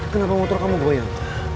kenapa motor kamu goyang